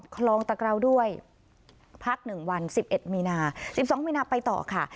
คลองตะกราวด้วยพักหนึ่งวันสิบเอ็ดมีนาสิบสองมีนาไปต่อค่ะ